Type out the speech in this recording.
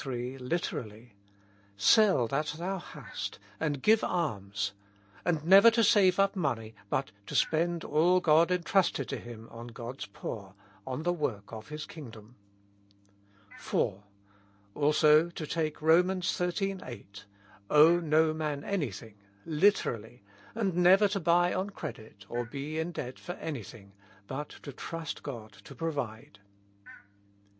33) literally, ''Sell that thou hast and give alms, and never to save up money, but to spend all God entrusted to him on God's poor, on the work of His kingdom. 4. Also to take Rom. xiii. 8, "Owe no man any thing," literally, and never to buy on credit, or be in debt for anjrthing, but to trust God to provide.